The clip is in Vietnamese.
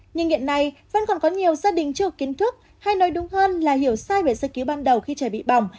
nhưng hiện nay vẫn còn có nhiều gia đình chưa kiến thức hay nói đúng hơn là hiểu sai về sơ cứu ban đầu khi trẻ bị bỏng